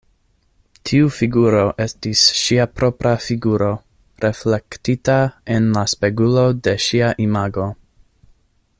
Tiu figuro estis ŝia propra figuro, reflektita en la spegulo de ŝia imago.